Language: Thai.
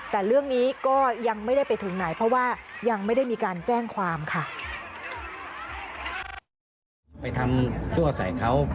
แต่เรื่องนี้ก็ยังไม่ได้ไปถึงไหนเพราะว่ายังไม่ได้มีการแจ้งความค่ะ